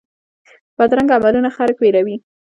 بدرنګه عملونه خلک ویروي